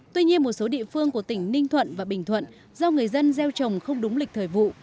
tuy nhiên một số địa phương của tỉnh ninh thuận và bình thuận do người dân gieo trồng không đúng lịch thời vụ